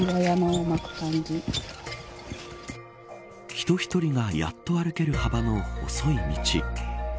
人１人がやっと歩ける幅の細い道。